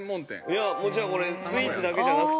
◆いや、じゃあこれ、スイーツだけじゃなくて？